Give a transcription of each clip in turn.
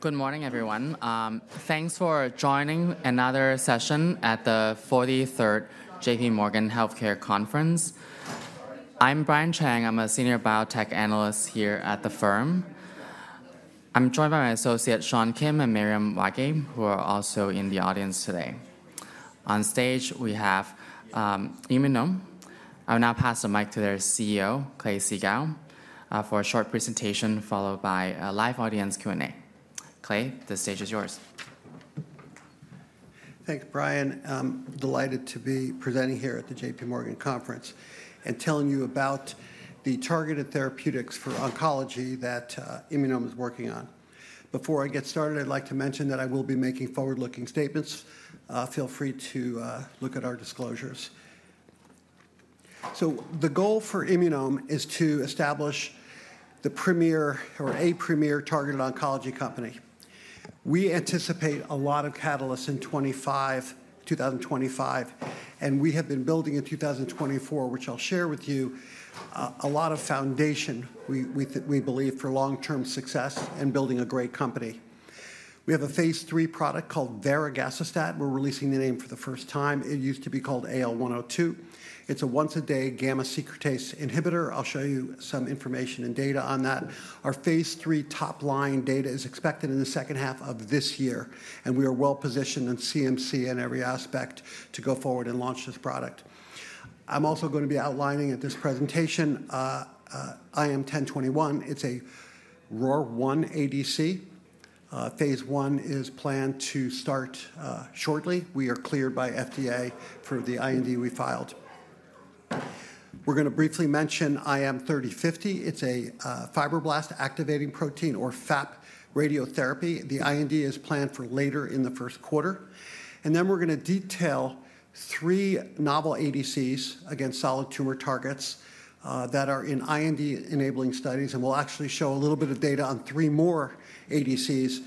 Good morning, everyone. Thanks for joining another session at the 43rd J.P. Morgan Healthcare Conference. I'm Brian Cheng. I'm a Senior Biotech Analyst here at the firm. I'm joined by my associates, Sean Kim and Miriam Waje, who are also in the audience today. On stage, we have Immunome. I will now pass the mic to their CEO, Clay Siegall, for a short presentation followed by a live audience Q&A. Clay, the stage is yours. Thanks, Brian. Delighted to be presenting here at the JPMorgan Conference and telling you about the targeted therapeutics for oncology that Immunome is working on. Before I get started, I'd like to mention that I will be making forward-looking statements. Feel free to look at our disclosures. So the goal for Immunome is to establish the premier or a premier targeted oncology company. We anticipate a lot of catalysts in 2025, and we have been building in 2024, which I'll share with you, a lot of foundation, we believe, for long-term success and building a great company. We have a phase three product called Varegacestat. We're releasing the name for the first time. It used to be called AL102. It's a once-a-day gamma secretase inhibitor. I'll show you some information and data on that. Our phase 3 top-line data is expected in the second half of this year, and we are well positioned on CMC and every aspect to go forward and launch this product. I'm also going to be outlining at this presentation IM-1021. It's a ROR1 ADC. Phase I is planned to start shortly. We are cleared by FDA for the IND we filed. We're going to briefly mention IM-3050. It's a fibroblast activation protein, or FAP, radiotherapy. The IND is planned for later in the first quarter. Then we're going to detail three novel ADCs against solid tumor targets that are in IND-enabling studies, and we'll actually show a little bit of data on three more ADCs.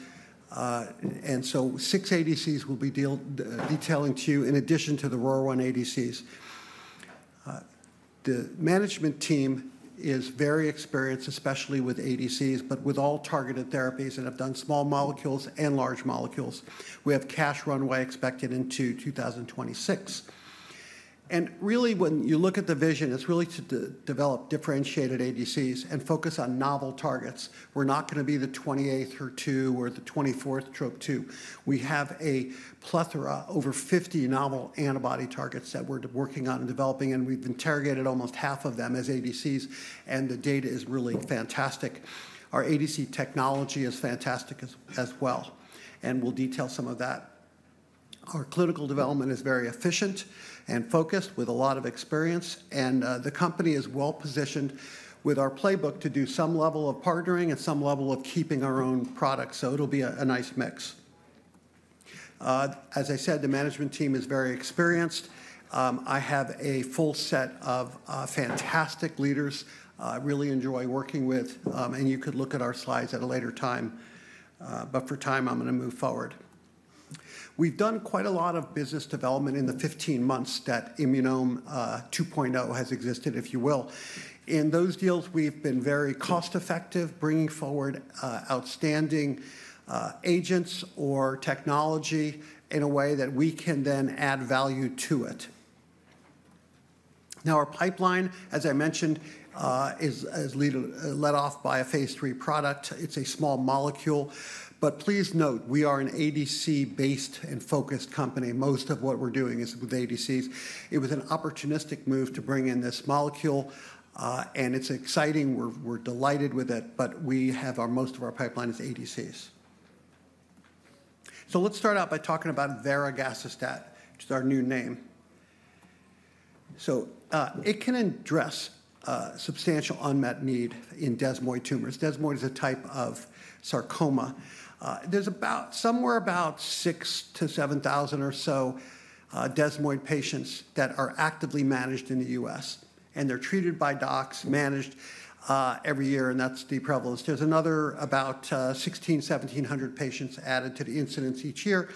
So six ADCs we'll be detailing to you in addition to the ROR1 ADCs. The management team is very experienced, especially with ADCs, but with all targeted therapies. I've done small molecules and large molecules. We have cash runway expected into 2026. Really, when you look at the vision, it's really to develop differentiated ADCs and focus on novel targets. We're not going to be the 28th or 2nd or the 24th Trop-2. We have a plethora, over 50 novel antibody targets that we're working on and developing, and we've interrogated almost half of them as ADCs, and the data is really fantastic. Our ADC technology is fantastic as well, and we'll detail some of that. Our clinical development is very efficient and focused with a lot of experience, and the company is well positioned with our playbook to do some level of partnering and some level of keeping our own products, so it'll be a nice mix. As I said, the management team is very experienced. I have a full set of fantastic leaders I really enjoy working with, and you could look at our slides at a later time, but for time, I'm going to move forward. We've done quite a lot of business development in the 15 months that Immunome 2.0 has existed, if you will. In those deals, we've been very cost-effective, bringing forward outstanding agents or technology in a way that we can then add value to it. Now, our pipeline, as I mentioned, is led off by a phase 3 product. It's a small molecule, but please note, we are an ADC-based and focused company. Most of what we're doing is with ADCs. It was an opportunistic move to bring in this molecule, and it's exciting. We're delighted with it, but we have most of our pipeline as ADCs. So let's start out by talking about Varegacestat, which is our new name. So it can address substantial unmet need in desmoid tumors. Desmoid is a type of sarcoma. There's somewhere about 6,000-7,000 or so desmoid patients that are actively managed in the U.S., and they're treated by docs, managed every year, and that's the prevalence. There's another about 1,600-1,700 patients added to the incidence each year,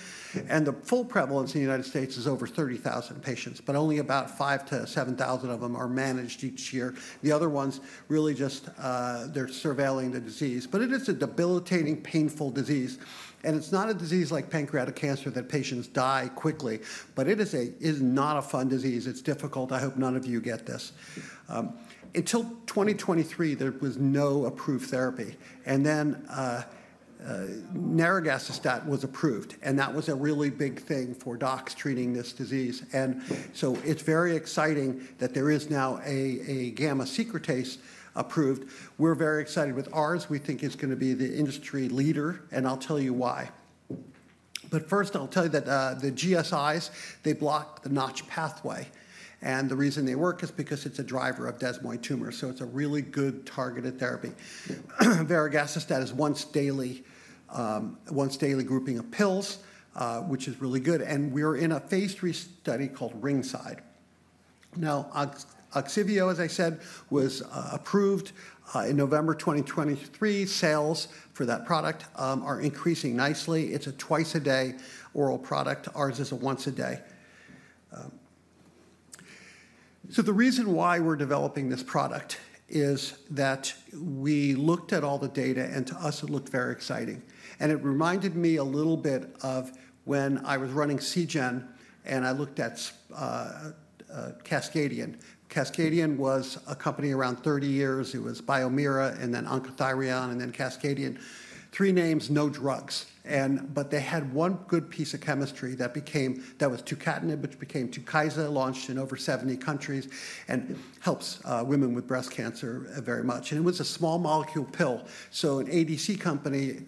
and the full prevalence in the United States is over 30,000 patients, but only about 5,000-7,000 of them are managed each year. The other ones really just, they're surveilling the disease, but it is a debilitating, painful disease, and it's not a disease like pancreatic cancer that patients die quickly, but it is not a fun disease. It's difficult. I hope none of you get this. Until 2023, there was no approved therapy, and then Nirogacestat was approved, and that was a really big thing for docs treating this disease. And so it's very exciting that there is now a gamma secretase approved. We're very excited with ours. We think it's going to be the industry leader, and I'll tell you why. But first, I'll tell you that the GSIs, they block the Notch pathway, and the reason they work is because it's a driver of desmoid tumors, so it's a really good targeted therapy. Varegacestat is once daily, once daily grouping of pills, which is really good, and we're in a phase 3 study called RINGSIDE. Now, Ogsiveo, as I said, was approved in November 2023. Sales for that product are increasing nicely. It's a twice-a-day oral product. Ours is a once-a-day. So the reason why we're developing this product is that we looked at all the data, and to us, it looked very exciting. And it reminded me a little bit of when I was running Seagen, and I looked at Cascadian. Cascadian was a company around 30 years. It was Biomira, and then Oncothyreon, and then Cascadian. Three names, no drugs, but they had one good piece of chemistry that was tucatinib, which became Tukysa, launched in over 70 countries, and helps women with breast cancer very much. And it was a small molecule pill, so an ADC company,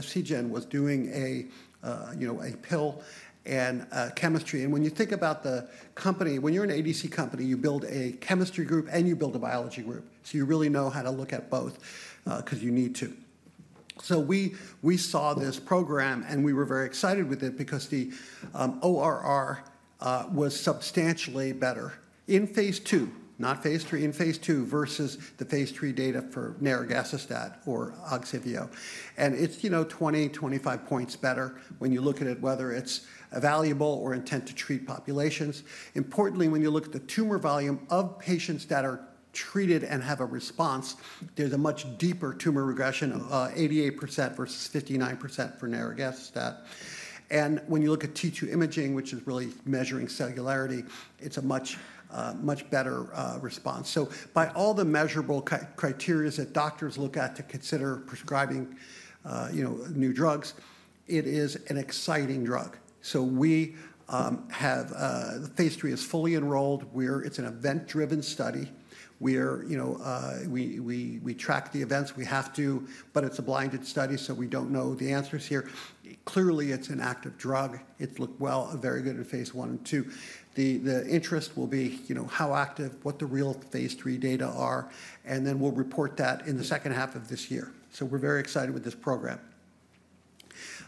Seagen, was doing a pill and chemistry. And when you think about the company, when you're an ADC company, you build a chemistry group and you build a biology group, so you really know how to look at both because you need to. So we saw this program, and we were very excited with it because the ORR was substantially better in phase II not phase III, in phase II versus the phase III data for Nirogacestat or Ogsiveo. And it's 20-25 points better when you look at it, whether it's an evaluable or intent-to-treat populations. Importantly, when you look at the tumor volume of patients that are treated and have a response, there's a much deeper tumor regression, 88% versus 59% for Nirogacestat. And when you look at T2 imaging, which is really measuring cellularity, it's a much better response. So by all the measurable criteria that doctors look at to consider prescribing new drugs, it is an exciting drug. So phase III is fully enrolled. It's an event-driven study. We track the events we have to, but it's a blinded study, so we don't know the answers here. Clearly, it's an active drug. It's looked well, very good in phase I and two. The interest will be how active, what the real phase three data are, and then we'll report that in the second half of this year. We're very excited with this program.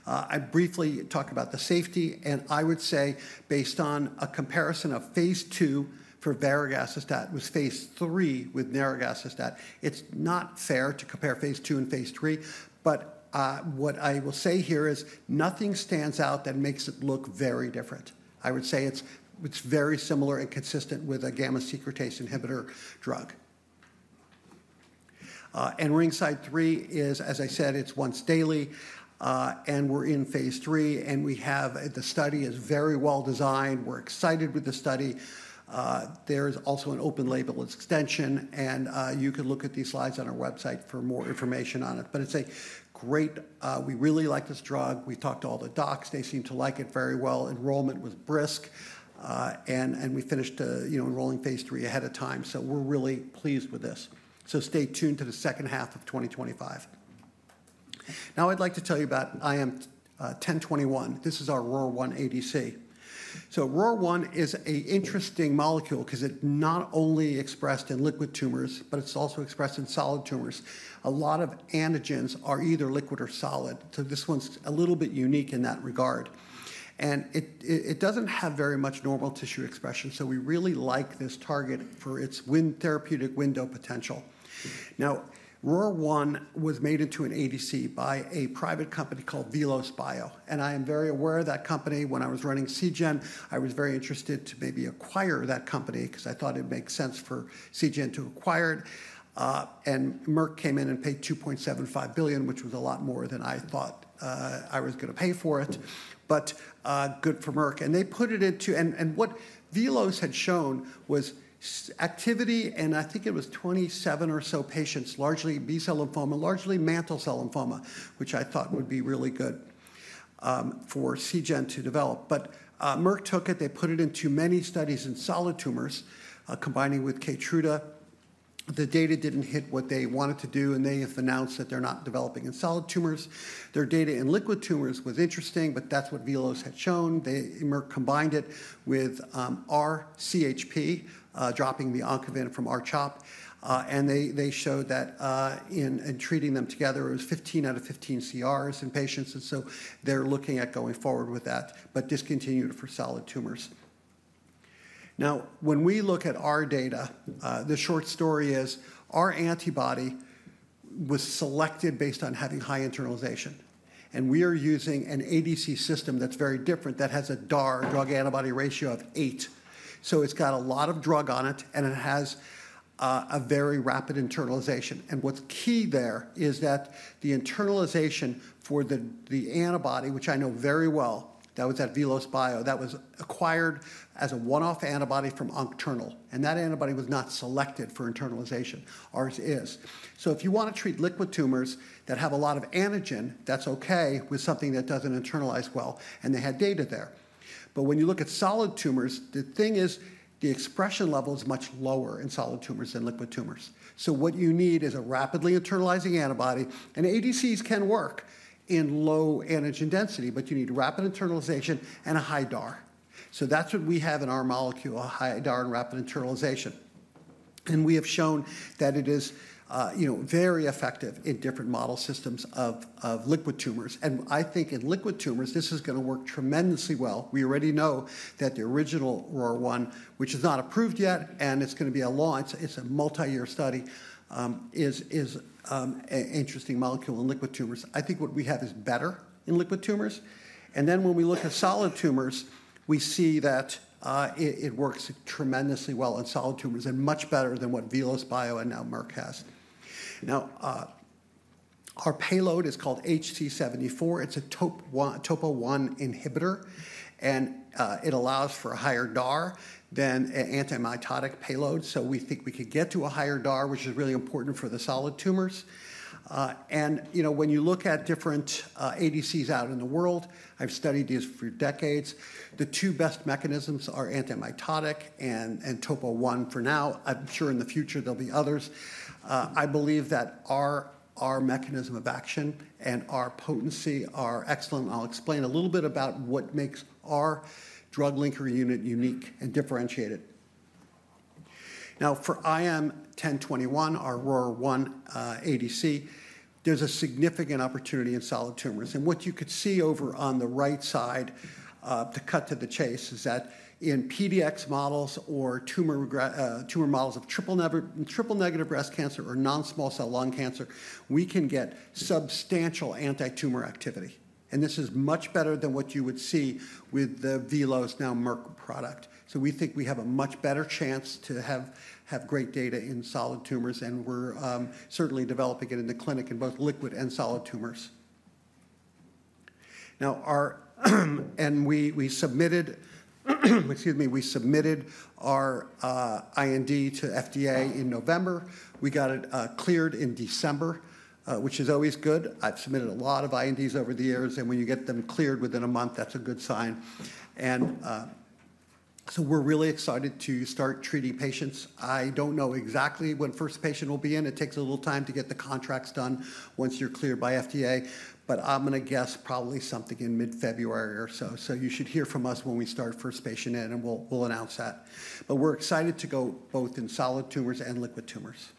I briefly talked about the safety, and I would say, based on a comparison of phase two for Varegacestat, it was phase three with Nirogacestat. It's not fair to compare phase two and phase IIIII, but what I will say here is nothing stands out that makes it look very different. I would say it's very similar and consistent with a gamma secretase inhibitor drug. RINGSIDE III is, as I said, it's once daily, and we're in phase III, and the study is very well designed. We're excited with the study. There's also an open label extension, and you can look at these slides on our website for more information on it, but it's great. We really like this drug. We talked to all the docs. They seem to like it very well. Enrollment was brisk, and we finished enrolling phase three ahead of time, so we're really pleased with this, so stay tuned to the second half of 2025. Now, I'd like to tell you about IM-1021. This is our ROR1 ADC, so ROR1 is an interesting molecule because it's not only expressed in liquid tumors, but it's also expressed in solid tumors. A lot of antigens are either liquid or solid, so this one's a little bit unique in that regard, and it doesn't have very much normal tissue expression, so we really like this target for its therapeutic window potential. Now, ROR1 was made into an ADC by a private company called VelosBio, and I am very aware of that company. When I was running Seagen, I was very interested to maybe acquire that company because I thought it would make sense for Seagen to acquire it. And Merck came in and paid $2.75 billion, which was a lot more than I thought I was going to pay for it, but good for Merck. And they put it into, and what Velos had shown was activity, and I think it was 27 or so patients, largely B-cell lymphoma, largely mantle cell lymphoma, which I thought would be really good for Seagen to develop. But Merck took it. They put it into many studies in solid tumors, combining with Keytruda. The data didn't hit what they wanted to do, and they have announced that they're not developing in solid tumors. Their data in liquid tumors was interesting, but that's what Velos had shown. Merck combined it with R-CHP, dropping the Oncovin from R-CHOP, and they showed that in treating them together, it was 15 out of 15 CRs in patients, and so they're looking at going forward with that, but discontinued for solid tumors. Now, when we look at our data, the short story is our antibody was selected based on having high internalization, and we are using an ADC system that's very different that has a DAR, drug antibody ratio, of eight. So it's got a lot of drug on it, and it has a very rapid internalization. And what's key there is that the internalization for the antibody, which I know very well, that was at VelosBio, that was acquired as a one-off antibody from Oncternal, and that antibody was not selected for internalization. Ours is. So if you want to treat liquid tumors that have a lot of antigen, that's okay with something that doesn't internalize well, and they had data there. But when you look at solid tumors, the thing is the expression level is much lower in solid tumors than liquid tumors. So what you need is a rapidly internalizing antibody, and ADCs can work in low antigen density, but you need rapid internalization and a high DAR. So that's what we have in our molecule, a high DAR and rapid internalization. And we have shown that it is very effective in different model systems of liquid tumors. And I think in liquid tumors, this is going to work tremendously well. We already know that the original ROR1, which is not approved yet, and it's going to be a BLA, it's a multi-year study, is an interesting molecule in liquid tumors. I think what we have is better in liquid tumors, and then when we look at solid tumors, we see that it works tremendously well in solid tumors and much better than what VelosBio and now Merck has. Now, our payload is called HC74. It's a Topo I inhibitor, and it allows for a higher DAR than an anti-mitotic payload, so we think we could get to a higher DAR, which is really important for the solid tumors, and when you look at different ADCs out in the world, I've studied these for decades. The two best mechanisms are anti-mitotic and Topo I for now. I'm sure in the future there'll be others. I believe that our mechanism of action and our potency are excellent. I'll explain a little bit about what makes our drug linker unit unique and differentiated. Now, for IM-1021, our ROR1 ADC, there's a significant opportunity in solid tumors. And what you could see over on the right side, to cut to the chase, is that in PDX models or tumor models of triple negative breast cancer or non-small cell lung cancer, we can get substantial anti-tumor activity. And this is much better than what you would see with the Velos, now Merck product. So we think we have a much better chance to have great data in solid tumors, and we're certainly developing it in the clinic in both liquid and solid tumors. Now, we submitted, excuse me, we submitted our IND to FDA in November. We got it cleared in December, which is always good. I've submitted a lot of INDs over the years, and when you get them cleared within a month, that's a good sign. And so we're really excited to start treating patients. I don't know exactly when first patient will be in. It takes a little time to get the contracts done once you're cleared by FDA, but I'm going to guess probably something in mid February or so. So you should hear from us when we start first patient in, and we'll announce that. But we're excited to go both in solid tumors and liquid tumors.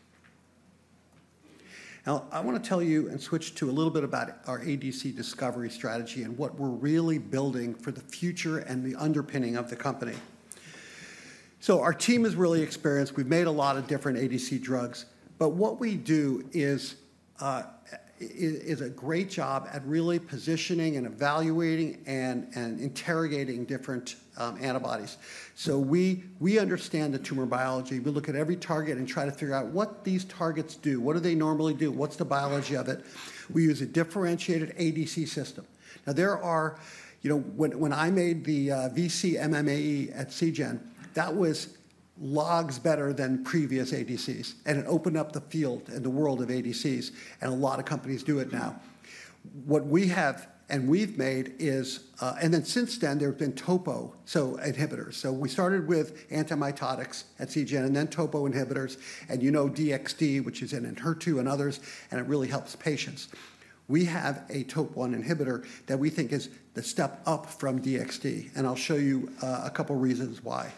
Now, I want to tell you and switch to a little bit about our ADC discovery strategy and what we're really building for the future and the underpinning of the company. So our team is really experienced. We've made a lot of different ADC drugs, but what we do is a great job at really positioning and evaluating and interrogating different antibodies. So we understand the tumor biology. We look at every target and try to figure out what these targets do. What do they normally do? What's the biology of it? We use a differentiated ADC system. Now, when I made the vcMMAE at Seagen, that was logs better than previous ADCs, and it opened up the field and the world of ADCs, and a lot of companies do it now. What we have and we've made is, and then since then, there have been topo inhibitors. So we started with anti-mitotics at Seagen, and then topo inhibitors, and you know DXD, which is Enhertuand others, and it really helps patients. We have a topo I inhibitor that we think is the step up from DXD, and I'll show you a couple of reasons why.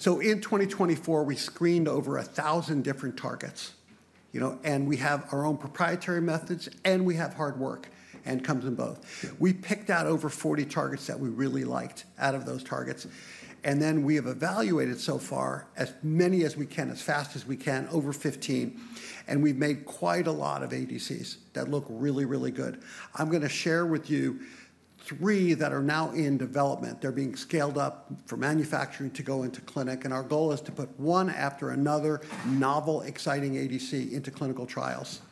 So in 2024, we screened over 1,000 different targets, and we have our own proprietary methods, and we have hard work, and it comes in both. We picked out over 40 targets that we really liked out of those targets, and then we have evaluated so far as many as we can, as fast as we can, over 15, and we've made quite a lot of ADCs that look really, really good. I'm going to share with you three that are now in development. They're being scaled up for manufacturing to go into clinic, and our goal is to put one after another novel, exciting ADC into clinical trials.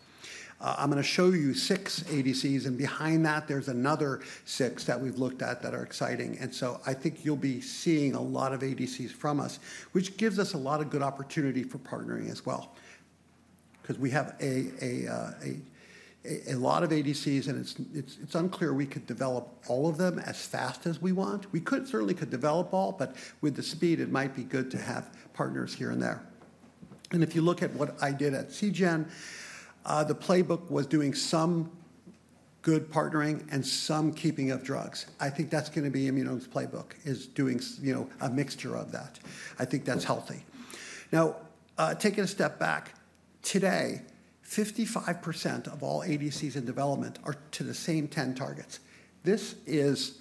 I'm going to show you six ADCs, and behind that, there's another six that we've looked at that are exciting. And so I think you'll be seeing a lot of ADCs from us, which gives us a lot of good opportunity for partnering as well because we have a lot of ADCs, and it's unclear we could develop all of them as fast as we want. We certainly could develop all, but with the speed, it might be good to have partners here and there. And if you look at what I did at Seagen, the playbook was doing some good partnering and some keeping of drugs. I think that's going to be Immuno's playbook, is doing a mixture of that. I think that's healthy. Now, taking a step back, today, 55% of all ADCs in development are to the same 10 targets. This is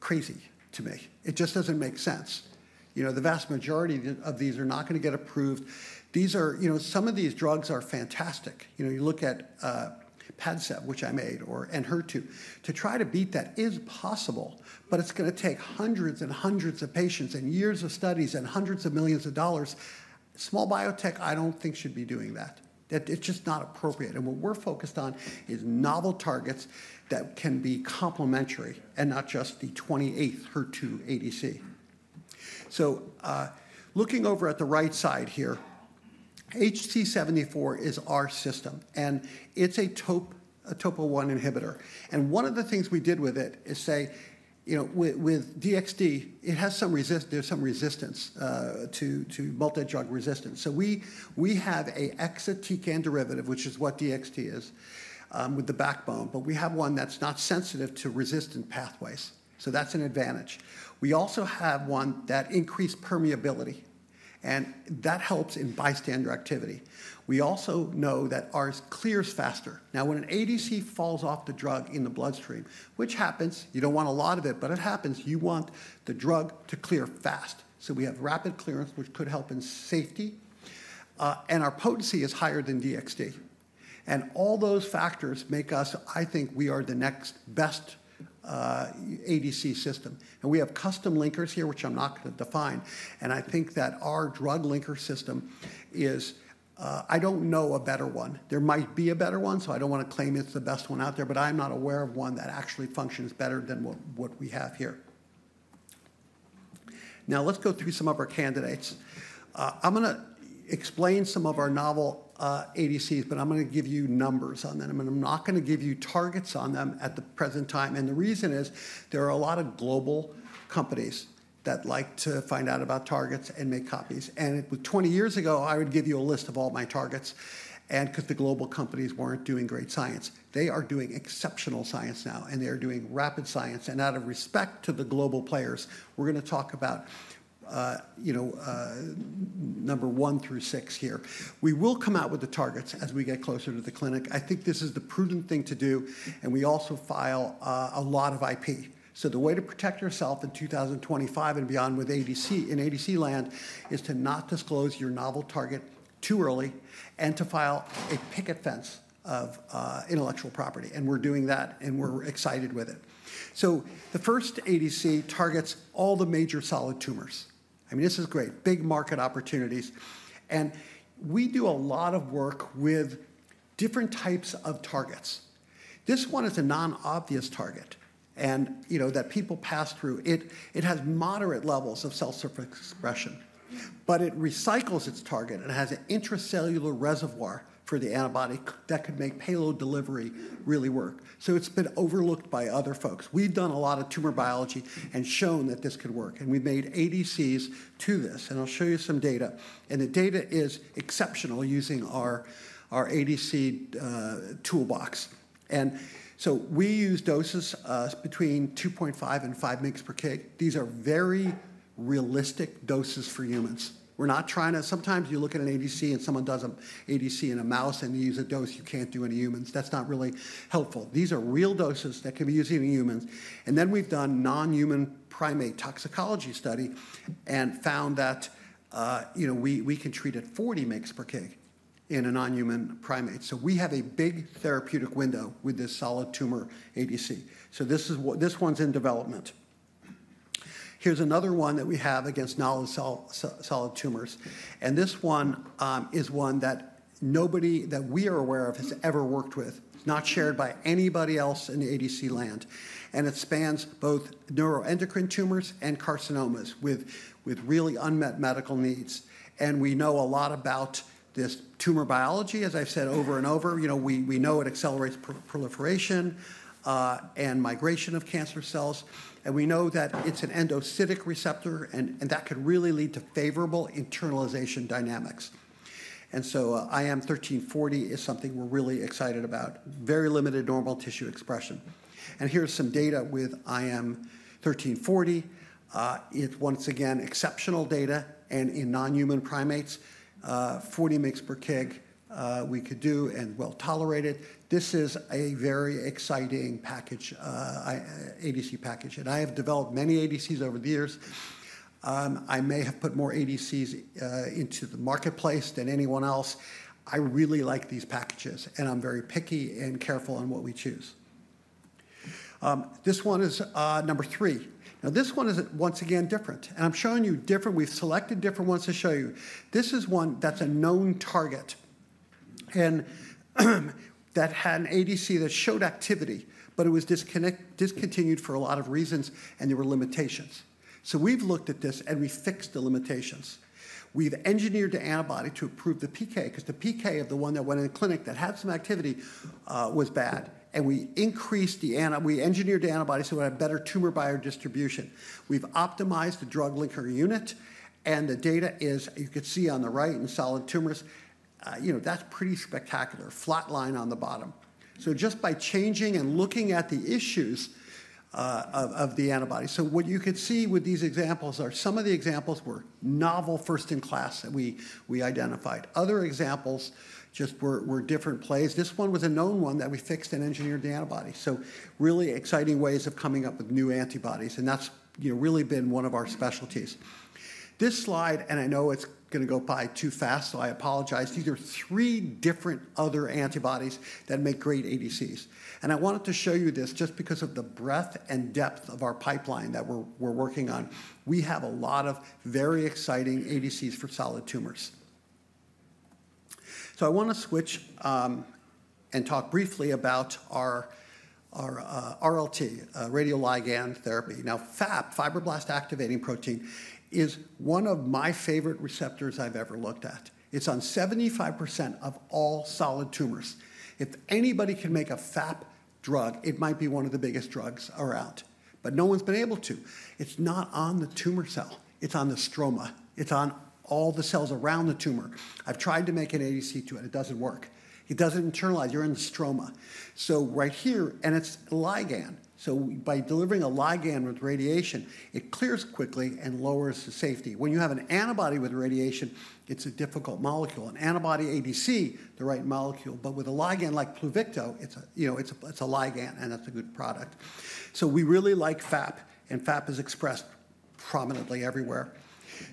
crazy to me. It just doesn't make sense. The vast majority of these are not going to get approved. Some of these drugs are fantastic. You look at PADCEV, which I made, or in HER2. To try to beat that is possible, but it's going to take hundreds and hundreds of patients and years of studies and hundreds of millions of dollars. Small biotech, I don't think, should be doing that. It's just not appropriate. What we're focused on is novel targets that can be complementary and not just the 28th HER2 ADC. Looking over at the right side here, HC74 is our system, and it's a Topo I inhibitor. One of the things we did with it is say, with DXD, there's some resistance to multi-drug resistance. We have an exotic derivative, which is what DXD is, with the backbone, but we have one that's not sensitive to resistant pathways. That's an advantage. We also have one that increased permeability, and that helps in bystander activity. We also know that ours clears faster. Now, when an ADC falls off the drug in the bloodstream, which happens, you don't want a lot of it, but it happens, you want the drug to clear fast. So we have rapid clearance, which could help in safety, and our potency is higher than DXD, and all those factors make us, I think, we are the next best ADC system, and we have custom linkers here, which I'm not going to define, and I think that our drug linker system is, I don't know a better one. There might be a better one, so I don't want to claim it's the best one out there, but I'm not aware of one that actually functions better than what we have here. Now, let's go through some of our candidates. I'm going to explain some of our novel ADCs, but I'm going to give you numbers on them. I'm not going to give you targets on them at the present time, and the reason is there are a lot of global companies that like to find out about targets and make copies. And 20 years ago, I would give you a list of all my targets because the global companies weren't doing great science. They are doing exceptional science now, and they are doing rapid science. And out of respect to the global players, we're going to talk about number one through six here. We will come out with the targets as we get closer to the clinic. I think this is the prudent thing to do, and we also file a lot of IP. So the way to protect yourself in 2025 and beyond with ADC in ADC land is to not disclose your novel target too early and to file a picket fence of intellectual property. And we're doing that, and we're excited with it. So the first ADC targets all the major solid tumors. I mean, this is great, big market opportunities. And we do a lot of work with different types of targets. This one is a non-obvious target, and that people pass through. It has moderate levels of cell surface expression, but it recycles its target and has an intracellular reservoir for the antibody that could make payload delivery really work. So it's been overlooked by other folks. We've done a lot of tumor biology and shown that this could work, and we've made ADCs to this, and I'll show you some data. The data is exceptional using our ADC toolbox. We use doses between 2.5 and 5 mg per kg. These are very realistic doses for humans. We're not trying to. Sometimes you look at an ADC and someone does an ADC in a mouse and they use a dose you can't do in humans. That's not really helpful. These are real doses that can be used in humans. We've done non-human primate toxicology study and found that we can treat at 40 mg per kg in a non-human primate. We have a big therapeutic window with this solid tumor ADC. This one's in development. Here's another one that we have against novel solid tumors. This one is one that nobody that we are aware of has ever worked with. It's not shared by anybody else in ADC land. And it spans both neuroendocrine tumors and carcinomas with really unmet medical needs. And we know a lot about this tumor biology. As I've said over and over, we know it accelerates proliferation and migration of cancer cells. And we know that it's an endocytic receptor, and that could really lead to favorable internalization dynamics. And so IM-1340 is something we're really excited about. Very limited normal tissue expression. And here's some data with IM-1340. It's once again exceptional data. And in non-human primates, 40 mg per kg we could do and well tolerat it. This is a very exciting package, ADC package. And I have developed many ADCs over the years. I may have put more ADCs into the marketplace than anyone else. I really like these packages, and I'm very picky and careful on what we choose. This one is number three. Now, this one is once again different. I'm showing you different. We've selected different ones to show you. This is one that's a known target and that had an ADC that showed activity, but it was discontinued for a lot of reasons, and there were limitations. We've looked at this and we fixed the limitations. We've engineered the antibody to improve the PK because the PK of the one that went in the clinic that had some activity was bad. We engineered the antibody so we had better tumor biodistribution. We've optimized the drug linker unit, and the data is, you could see on the right in solid tumors, that's pretty spectacular, flat line on the bottom. Just by changing and looking at the issues of the antibody. What you could see with these examples are some of the examples were novel first-in-class that we identified. Other examples just were different plays. This one was a known one that we fixed and engineered the antibody. So really exciting ways of coming up with new antibodies, and that's really been one of our specialties. This slide, and I know it's going to go by too fast, so I apologize. These are three different other antibodies that make great ADCs. And I wanted to show you this just because of the breadth and depth of our pipeline that we're working on. We have a lot of very exciting ADCs for solid tumors. So I want to switch and talk briefly about our RLT, radioligand therapy. Now, FAP, fibroblast activation protein, is one of my favorite receptors I've ever looked at. It's on 75% of all solid tumors. If anybody can make a FAP drug, it might be one of the biggest drugs around, but no one's been able to. It's not on the tumor cell. It's on the stroma. It's on all the cells around the tumor. I've tried to make an ADC to it. It doesn't work. It doesn't internalize. You're in the stroma. So right here, and it's a ligand. So by delivering a ligand with radiation, it clears quickly and lowers the safety. When you have an antibody with radiation, it's a difficult molecule. An antibody ADC, the right molecule, but with a ligand like Pluvicto, it's a ligand, and that's a good product. So we really like FAP, and FAP is expressed prominently everywhere.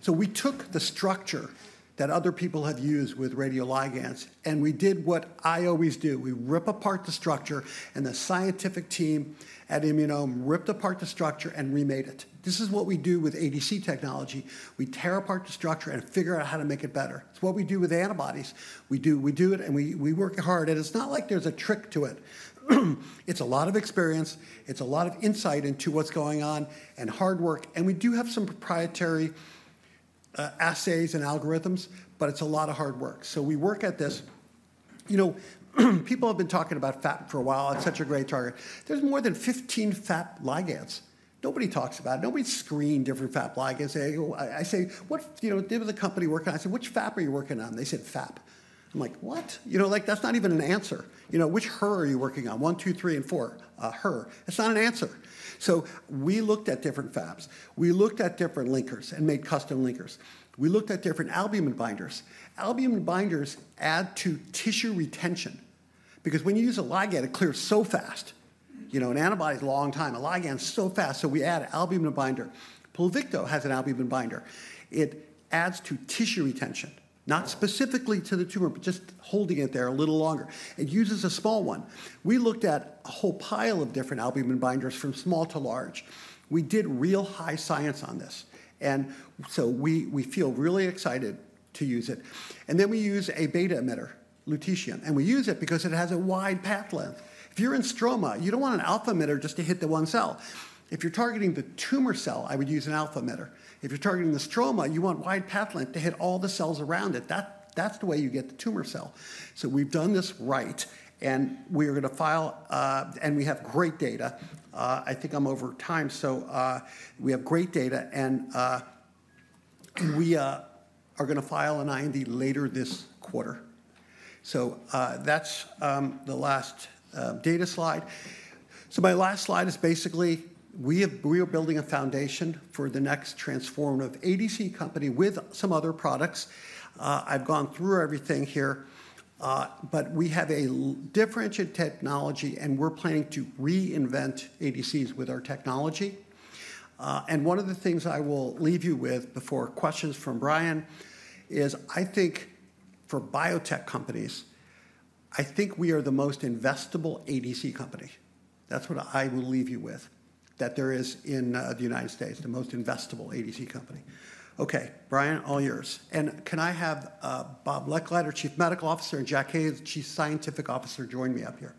So we took the structure that other people have used with radioligands, and we did what I always do. We rip apart the structure, and the scientific team at Immunome ripped apart the structure and remade it. This is what we do with ADC technology. We tear apart the structure and figure out how to make it better. It's what we do with antibodies. We do it, and we work hard. And it's not like there's a trick to it. It's a lot of experience. It's a lot of insight into what's going on and hard work. And we do have some proprietary assays and algorithms, but it's a lot of hard work. So we work at this. People have been talking about FAP for a while. It's such a great target. There's more than 15 FAP ligands. Nobody talks about it. Nobody's screened different FAP ligands. I say, "What did the company work on?" I say, "Which FAP are you working on?" They said, "FAP." I'm like, "What?" That's not even an answer. Which HER are you working on? One, two, three, and four, HER. It's not an answer. We looked at different FAPs. We looked at different linkers and made custom linkers. We looked at different albumin binders. Albumin binders add to tissue retention because when you use a ligand, it clears so fast. An antibody is a long time. A ligand is so fast. So we add albumin binder. Pluvicto has an albumin binder. It adds to tissue retention, not specifically to the tumor, but just holding it there a little longer. It uses a small one. We looked at a whole pile of different albumin binders from small to large. We did real high science on this. And so we feel really excited to use it. And then we use a beta emitter, Lutetium. And we use it because it has a wide path length. If you're in stroma, you don't want an alpha emitter just to hit the one cell. If you're targeting the tumor cell, I would use an alpha emitter. If you're targeting the stroma, you want wide path length to hit all the cells around it. That's the way you get the tumor cell. So we've done this right, and we are going to file, and we have great data. I think I'm over time, so we have great data, and we are going to file an IND later this quarter. So that's the last data slide. So my last slide is basically we are building a foundation for the next transformative ADC company with some other products. I've gone through everything here, but we have a differentiated technology, and we're planning to reinvent ADCs with our technology. And one of the things I will leave you with before questions from Brian is, I think for biotech companies, I think we are the most investable ADC company. That's what I will leave you with, that there is in the United States, the most investable ADC company. Okay, Brian, all yours. And can I have Bob Lechleider, Chief Medical Officer, and Jack Higgins, Chief Scientific Officer, join me up here?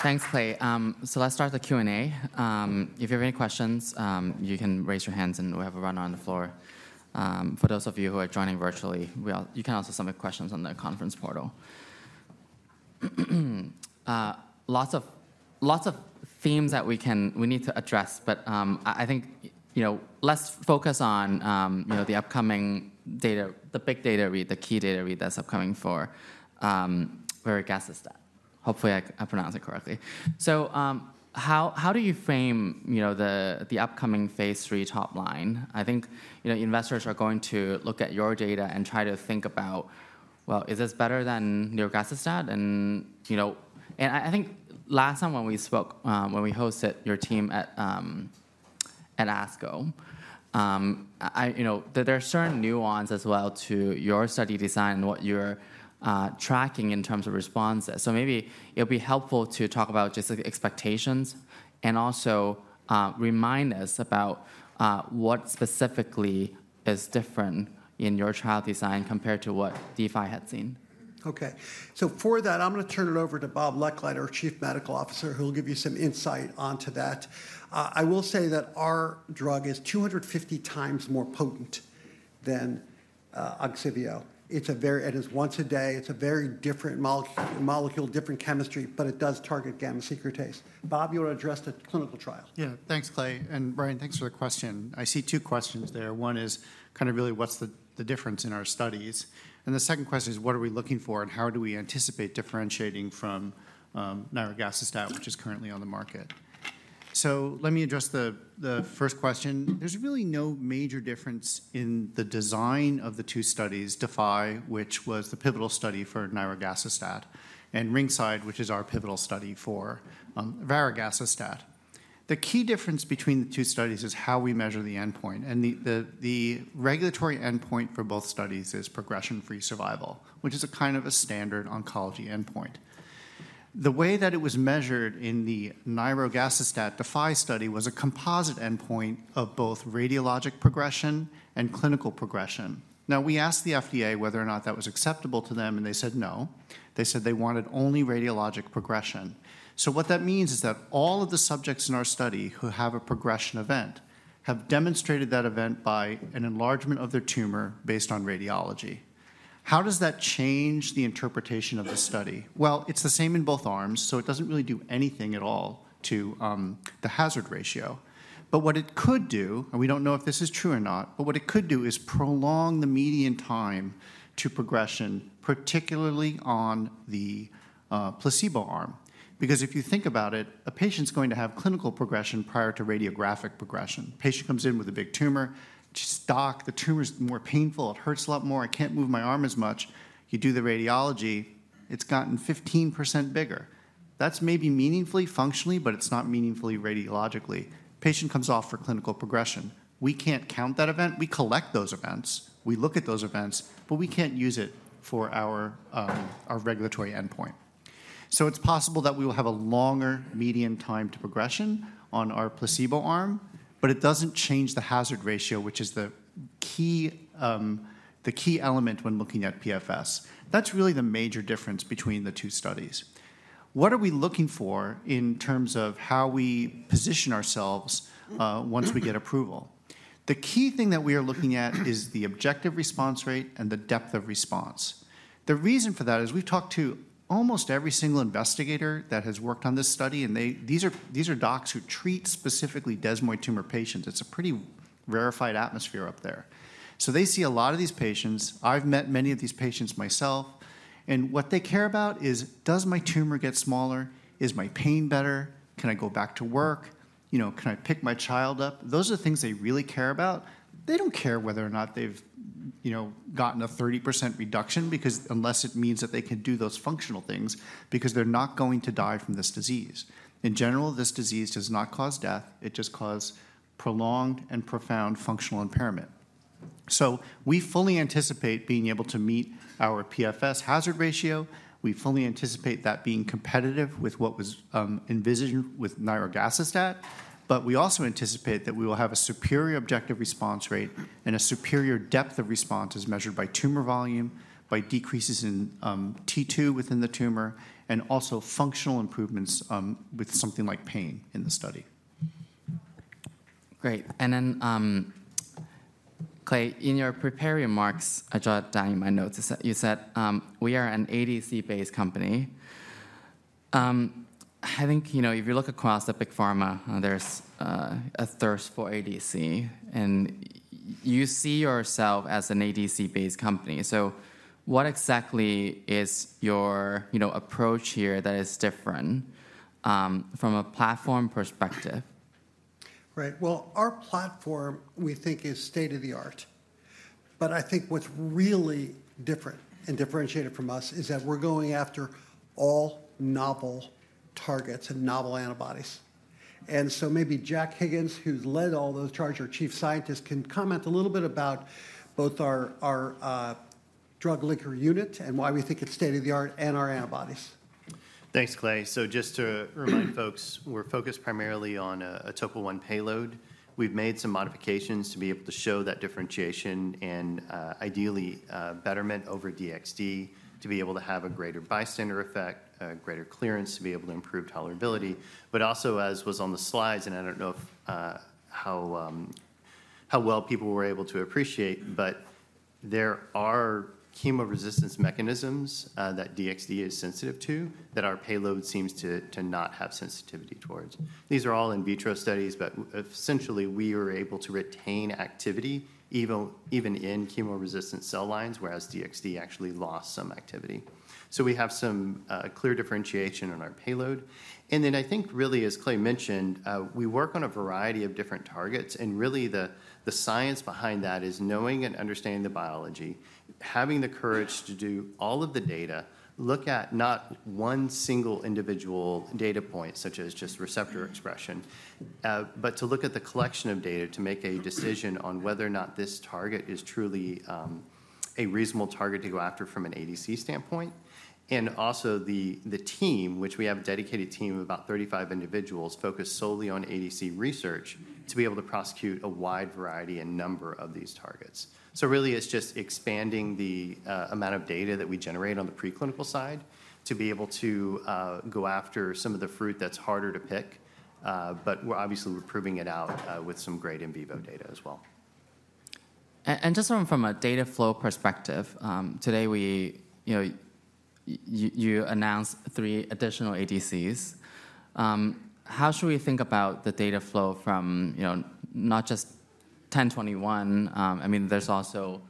Thanks, Clay. So let's start the Q&A. If you have any questions, you can raise your hands, and we'll have a runner on the floor. For those of you who are joining virtually, you can also submit questions on the conference portal. Lots of themes that we need to address, but I think let's focus on the upcoming data, the big data read, the key data read that's upcoming for Varegacestat. Hopefully, I pronounced it correctly. So how do you frame the upcoming phase three top line? I think investors are going to look at your data and try to think about, well, is this better than Nirogacestat? And I think last time when we spoke, when we hosted your team at ASCO, there are certain nuances as well to your study design and what you're tracking in terms of responses. So maybe it'll be helpful to talk about just the expectations and also remind us about what specifically is different in your trial design compared to what DeFi had seen. Okay. So for that, I'm going to turn it over to Bob Lechleider, Chief Medical Officer, who will give you some insight onto that. I will say that our drug is 250x more potent than Ogsiveo. It is once a day. It's a very different molecule, different chemistry, but it does target gamma secretase. Bob, you want to address the clinical trial? Yeah. Thanks, Clay. And Brian, thanks for the question. I see two questions there. One is kind of really what's the difference in our studies? And the second question is, what are we looking for, and how do we anticipate differentiating from Nirogacestat, which is currently on the market? So let me address the first question. There's really no major difference in the design of the two studies, DeFi, which was the pivotal study for Nirogacestat, and RINGSIDE, which is our pivotal study for varegacestat. The key difference between the two studies is how we measure the endpoint. And the regulatory endpoint for both studies is progression-free survival, which is a kind of a standard oncology endpoint. The way that it was measured in the Nirogacestat DeFi study was a composite endpoint of both radiologic progression and clinical progression. Now, we asked the FDA whether or not that was acceptable to them, and they said no. They said they wanted only radiologic progression. So what that means is that all of the subjects in our study who have a progression event have demonstrated that event by an enlargement of their tumor based on radiology. How does that change the interpretation of the study? Well, it's the same in both arms, so it doesn't really do anything at all to the hazard ratio. But what it could do, and we don't know if this is true or not, but what it could do is prolong the median time to progression, particularly on the placebo arm. Because if you think about it, a patient's going to have clinical progression prior to radiographic progression. A patient comes in with a big tumor. It's stuck. The tumor's more painful. It hurts a lot more. I can't move my arm as much. You do the radiology. It's gotten 15% bigger. That's maybe meaningfully functionally, but it's not meaningfully radiologically. The patient comes off for clinical progression. We can't count that event. We collect those events. We look at those events, but we can't use it for our regulatory endpoint. So it's possible that we will have a longer median time to progression on our placebo arm, but it doesn't change the hazard ratio, which is the key element when looking at PFS. That's really the major difference between the two studies. What are we looking for in terms of how we position ourselves once we get approval? The key thing that we are looking at is the objective response rate and the depth of response. The reason for that is we've talked to almost every single investigator that has worked on this study, and these are docs who treat specifically desmoid tumor patients. It's a pretty rarefied atmosphere up there. So they see a lot of these patients. I've met many of these patients myself, and what they care about is, does my tumor get smaller? Is my pain better? Can I go back to work? Can I pick my child up? Those are the things they really care about. They don't care whether or not they've gotten a 30% reduction unless it means that they can do those functional things because they're not going to die from this disease. In general, this disease does not cause death. It just causes prolonged and profound functional impairment. So we fully anticipate being able to meet our PFS hazard ratio. We fully anticipate that being competitive with what was envisioned with Nirogacestat, but we also anticipate that we will have a superior objective response rate and a superior depth of response as measured by tumor volume, by decreases in T2 within the tumor, and also functional improvements with something like pain in the study. Great. And then, Clay, in your prepared remarks, I jot down in my notes, you said, "We are an ADC-based company." I think if you look across the big pharma, there's a thirst for ADC, and you see yourself as an ADC-based company. So what exactly is your approach here that is different from a platform perspective? Right. Well, our platform, we think, is state of the art. But I think what's really different and differentiated from us is that we're going after all novel targets and novel antibodies. And so maybe Jack Higgins, who's led all those charges, our Chief Scientist, can comment a little bit about both our drug linker unit and why we think it's state of the art and our antibodies. Thanks, Clay. So just to remind folks, we're focused primarily on a topo I payload. We've made some modifications to be able to show that differentiation and ideally betterment over DXD to be able to have a greater bystander effect, a greater clearance to be able to improve tolerability. But also, as was on the slides, and I don't know how well people were able to appreciate, but there are chemo resistance mechanisms that DXD is sensitive to that our payload seems to not have sensitivity towards. These are all in vitro studies, but essentially, we were able to retain activity even in chemo resistant cell lines, whereas DXD actually lost some activity. So we have some clear differentiation on our payload. And then I think really, as Clay mentioned, we work on a variety of different targets. Really, the science behind that is knowing and understanding the biology, having the courage to do all of the data, look at not one single individual data point, such as just receptor expression, but to look at the collection of data to make a decision on whether or not this target is truly a reasonable target to go after from an ADC standpoint. Also, the team, which we have a dedicated team of about 35 individuals focused solely on ADC research, to be able to prosecute a wide variety and number of these targets. Really, it's just expanding the amount of data that we generate on the preclinical side to be able to go after some of the fruit that's harder to pick. We're obviously proving it out with some great in vivo data as well. Just from a data flow perspective, today you announced three additional ADCs. How should we think about the data flow from not just IM-1021? I mean, there's also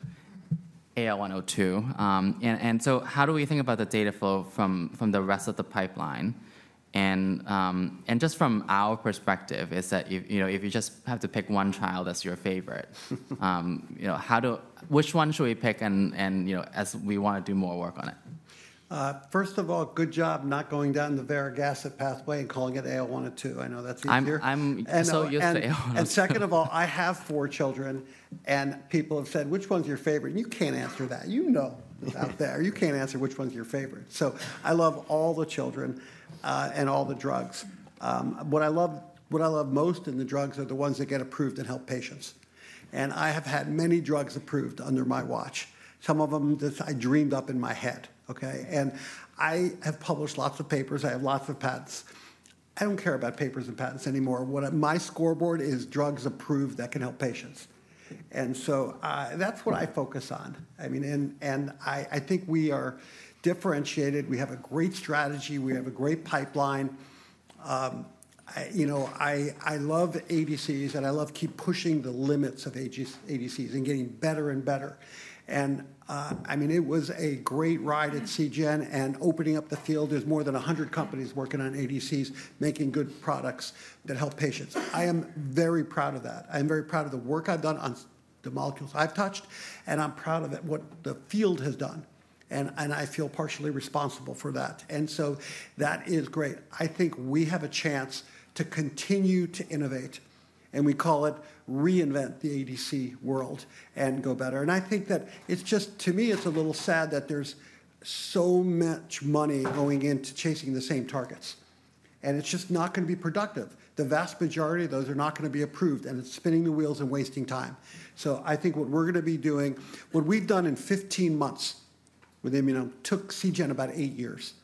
AL102. And so how do we think about the data flow from the rest of the pipeline? And just from our perspective, is that if you just have to pick one child as your favorite, which one should we pick as we want to do more work on it? First of all, good job not going down the Varegacestat pathway and calling it AL102. I know that's easier. I'm so used to AL102. And second of all, I have four children, and people have said, "Which one's your favorite?" And you can't answer that. You know that there. You can't answer which one's your favorite. So I love all the children and all the drugs. What I love most in the drugs are the ones that get approved and help patients. And I have had many drugs approved under my watch. Some of them that I dreamed up in my head. And I have published lots of papers. I have lots of patents. I don't care about papers and patents anymore. My scoreboard is drugs approved that can help patients. And so that's what I focus on. I mean, and I think we are differentiated. We have a great strategy. We have a great pipeline. I love ADCs, and I love keep pushing the limits of ADCs and getting better and better. I mean, it was a great ride at Seagen and opening up the field. There's more than 100 companies working on ADCs, making good products that help patients. I am very proud of that. I am very proud of the work I've done on the molecules I've touched, and I'm proud of what the field has done. And I feel partially responsible for that. And so that is great. I think we have a chance to continue to innovate, and we call it reinvent the ADC world and go better. And I think that it's just, to me, it's a little sad that there's so much money going into chasing the same targets. And it's just not going to be productive. The vast majority of those are not going to be approved, and it's spinning the wheels and wasting time. So, I think what we're going to be doing, what we've done in 15 months with Immuno, took Seagen about eight years.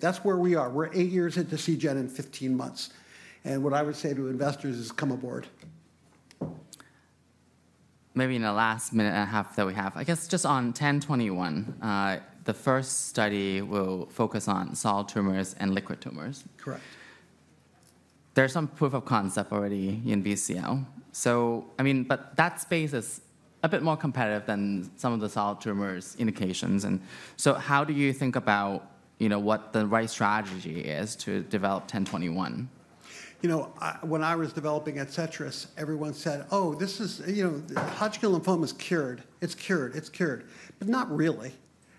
That's where we are. We're eight years into Seagen in 15 months, and what I would say to investors is come aboard. Maybe in the last minute and a half that we have, I guess just on 1021, the first study will focus on solid tumors and liquid tumors. Correct. There's some proof of concept already in VCL. So I mean, but that space is a bit more competitive than some of the solid tumors indications. And so how do you think about what the right strategy is to develop 1021? You know, when I was developing Adcetris, everyone said, "Oh, this is Hodgkin lymphoma is cured. It's cured. It's cured." But not really.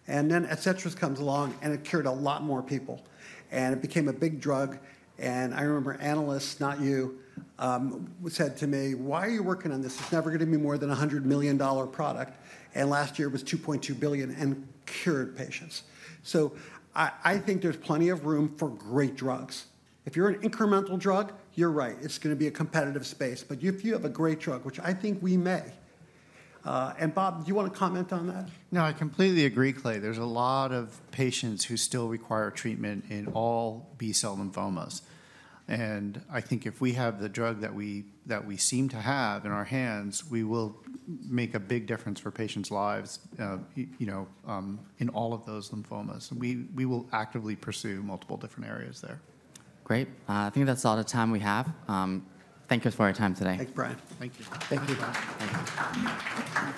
And then Adcetris comes along, and it cured a lot more people. And it became a big drug. And I remember analysts, not you, said to me, "Why are you working on this? It's never going to be more than a $100 million product." And last year it was $2.2 billion and cured patients. So I think there's plenty of room for great drugs. If you're an incremental drug, you're right. It's going to be a competitive space. But if you have a great drug, which I think we may. And Bob, do you want to comment on that? No, I completely agree, Clay. There's a lot of patients who still require treatment in all B-cell lymphomas. And I think if we have the drug that we seem to have in our hands, we will make a big difference for patients' lives in all of those lymphomas. And we will actively pursue multiple different areas there. Great. I think that's all the time we have. Thank you for your time today. Thanks, Brian. Thank you. Thank you, Bob. Thank you.